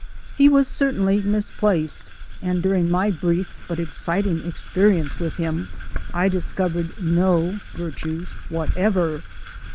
He was certainly misplaced, and during my brief but exciting experience with him I discovered no virtues whatever.